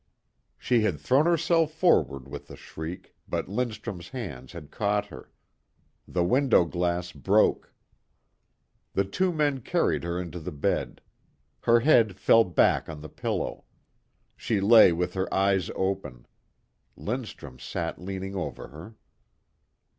She had thrown herself forward with the shriek but Lindstrum's hands had caught her. The window glass broke. The two men carried her into the bed. Her head fell back on the pillow. She lay with her eyes open. Lindstrum sat leaning over her.